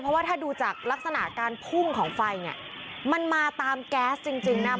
เพราะว่าถ้าดูจากลักษณะการพุ่งของไฟเนี่ยมันมาตามแก๊สจริงนะ